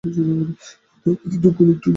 হয়তো আমার দক্ষতায় একটু জং ধরেছে।